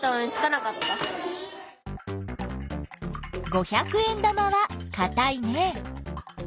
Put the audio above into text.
五百円玉はかたいね。